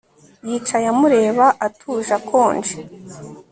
Yicaye amureba atuje akonje